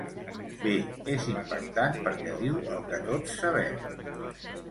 Bé, és impactant perquè diu el que tots sabem.